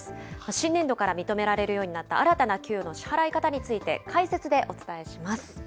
新年度から認められるようになった新たな給与の支払い方について、解説でお伝えします。